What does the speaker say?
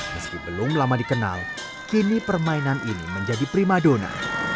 meski belum lama dikenal kini permainan ini menjadi primadona